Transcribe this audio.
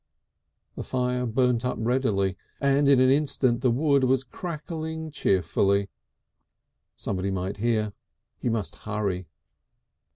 The fire burnt up readily, and in an instant the wood was crackling cheerfully. Someone might hear. He must hurry.